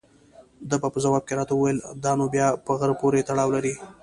ده په ځواب کې راته وویل: دا نو بیا په غره پورې تړاو لري.